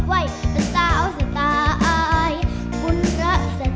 ใบบัวเน้มร้ายปลูกแน่นอน